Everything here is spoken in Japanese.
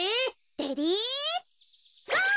レディーゴー！